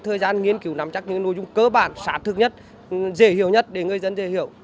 thời gian nghiên cứu nắm chắc những nội dung cơ bản sát thực nhất dễ hiểu nhất để người dân dễ hiểu